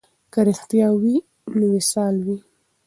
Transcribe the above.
که رښتیا وي نو وصال وي.